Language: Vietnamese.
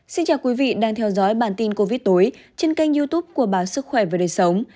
xin chào quý vị đang theo dõi bản tin covid tối trên kênh youtube của báo sức khỏe và đời sống